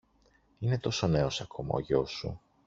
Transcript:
Είναι τόσο νέος ακόμα ο γιός σου